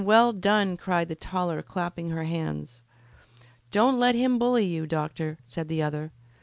well done!" cried the taller, clapping her hands. "Don't let him bully you, doctor," said the other.